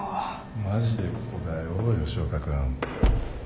マジでここだよ吉岡君。